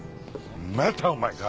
またお前か！